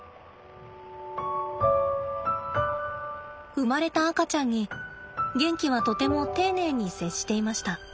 生まれた赤ちゃんにゲンキはとても丁寧に接していました。